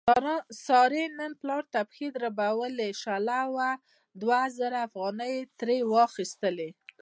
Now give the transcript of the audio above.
سارې نن پلار ته پښې دربولې، شله وه دوه زره افغانۍ یې ترې واخستلې.